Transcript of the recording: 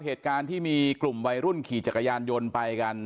เหตุการณ์ที่มีกลุ่มวัยรุ่นขี่จักรยานยนต์ไปกัน